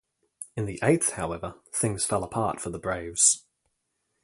In the eighth, however, things fell apart for the Braves.